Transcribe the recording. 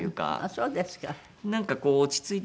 あっそうですか。